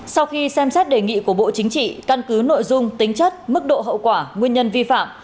sau khi xem xét đề nghị của bộ chính trị căn cứ nội dung tính chất mức độ hậu quả nguyên nhân vi phạm